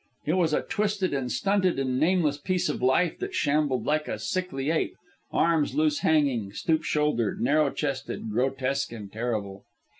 It was a twisted and stunted and nameless piece of life that shambled like a sickly ape, arms loose hanging, stoop shouldered, narrow chested, grotesque and terrible.